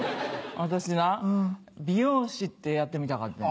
私な美容師ってやってみたかってん。